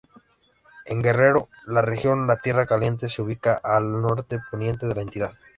En Guerrero, la región de Tierra Caliente se ubica al nor-poniente de la entidad.